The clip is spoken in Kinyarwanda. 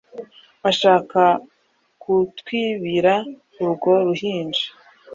ashaka kutwibira urwo ruhinja